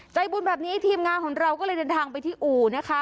ใจบุญแบบนี้ทีมงานของเราก็เลยเดินทางไปที่อู่นะคะ